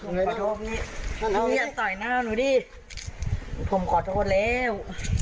ขอโทษพี่พี่อย่าต่อยหน้าหนูดิผมขอโทษแล้ว